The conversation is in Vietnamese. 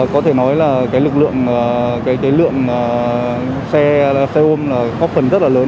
có thể nói là cái lượng xe ôm có phần rất là lớn